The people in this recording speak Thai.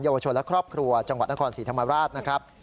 วชนและครอบครัวจังหวัดนครศรีธรรมราชนะครับ